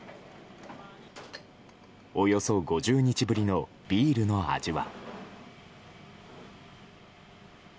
およそ５０日ぶりのビールの味は。